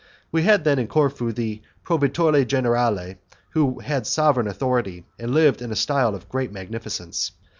We had then in Corfu the 'proveditore generale' who had sovereign authority, and lived in a style of great magnificence.